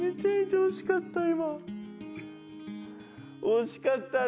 惜しかったね。